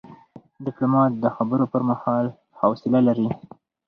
ډيپلومات د خبرو پر مهال حوصله لري.